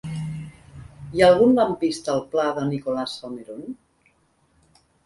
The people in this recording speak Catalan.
Hi ha algun lampista al pla de Nicolás Salmerón?